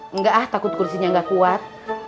enggak ah takut kursinya nggak kuat